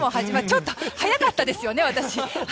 ちょっと早かったですよね、私。